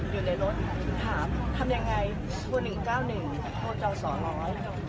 อยู่ในรถถามทำยังไงโทร๑๙๑โทรจอสอร้อย